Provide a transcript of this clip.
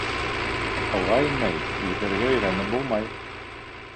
Һыуға инмәй йөҙөргә өйрәнеп булмай.